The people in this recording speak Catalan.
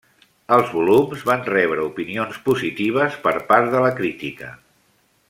Els volums van rebre opinions positives per part de la crítica.